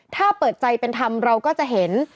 ถ้าเปิดใจเป็นธรรมเราก็จะเห็น